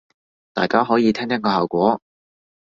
大家可以聽聽個效果